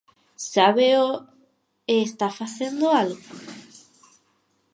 ¿Sábeo e está facendo algo?